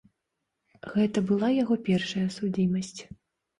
Гэта была яго першая судзімасць.